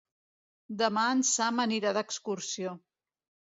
Demà en Sam anirà d'excursió.